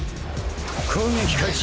攻撃開始。